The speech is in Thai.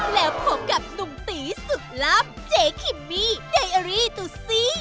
แล้วผมกับหนุ่มตีสุดลับเจ๊คิมมี่ใดอารีดูซี่